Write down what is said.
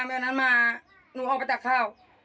เมื่อนั้นมาหนูเอาไปตัดข้าว